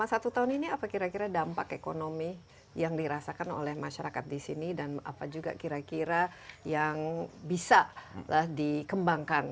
dan dalam hal ini apa kira kira dampak ekonomi yang dirasakan oleh masyarakat di sini dan apa juga kira kira yang bisa lah dikembangkan